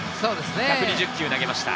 １２０球投げました。